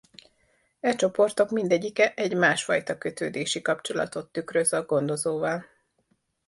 E csoportok mindegyike egy másfajta kötődési kapcsolatot tükröz a gondozóval.